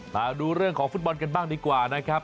มาดูเรื่องของฟุตบอลกันบ้างดีกว่านะครับ